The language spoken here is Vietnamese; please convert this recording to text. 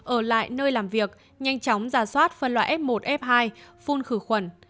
ở lại nơi làm việc nhanh chóng giả soát phân loại f một f hai phun khử khuẩn